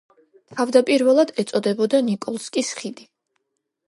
თავდაპირველად ეწოდებოდა ნიკოლსკის ხიდი.